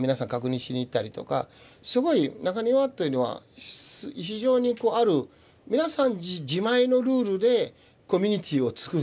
すごい中庭というのは非常にある皆さん自前のルールでコミュニティーをつくっていて。